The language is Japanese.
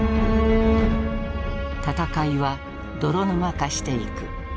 戦いは泥沼化していく。